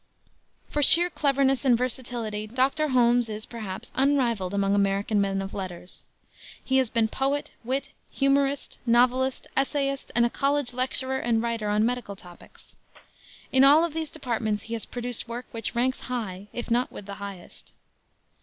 For sheer cleverness and versatility Dr. Holmes is, perhaps, unrivaled among American men of letters. He has been poet, wit, humorist, novelist, essayist and a college lecturer and writer on medical topics. In all of these departments he has produced work which ranks high, if not with the highest.